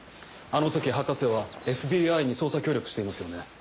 あの時博士はＦＢＩに捜査協力していますよね？